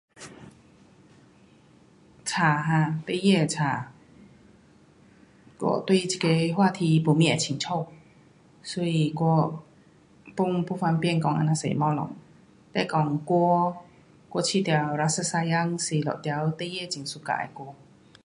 书哈？孩儿的书，我对这个话题没么会清楚。所以我 pun 不方便讲这样多东西。孩儿的歌，我觉得 rasa sayang 是一条孩儿很的歌。